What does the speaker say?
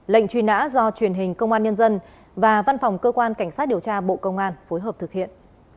lệnh truy nã do truyền hình công an nhân dân và văn phòng cơ quan cảnh sát điều tra bộ công an phối hợp thực hiện